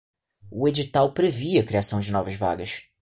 O edital previa a criação de novas vagas